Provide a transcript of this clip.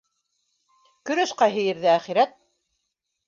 Көрәш ҡайһы ерҙә, әхирәт?